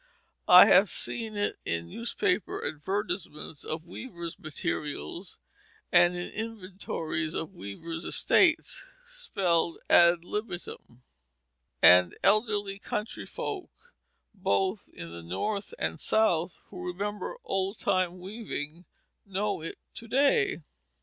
I have seen it in newspaper advertisements of weavers' materials, and in inventories of weavers' estates, spelled ad libitum; and elderly country folk, both in the North and South, who remember old time weaving, know it to day.